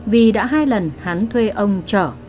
vì đã hai lần hắn thuê ông trở